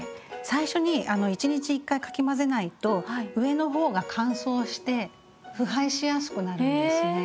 最初に１日１回かき混ぜないと上の方が乾燥して腐敗しやすくなるんですね。